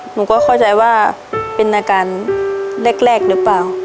หนูก็เข้าใจว่าเป็นอาการแรกหรือเปล่า